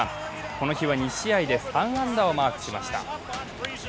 この日は２試合で３安打をマークしました。